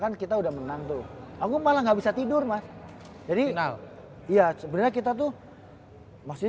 kan kita udah menang tuh aku malah nggak bisa tidur mas jadi nah iya sebelah kita tuh masih